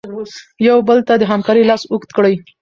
یو بل ته د همکارۍ لاس اوږد کړئ.